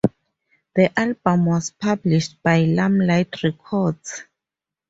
The album was published by Limelight Records.